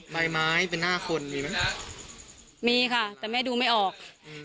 ไม้ไม้เป็นหน้าคนมีไหมมีค่ะแต่แม่ดูไม่ออกอืม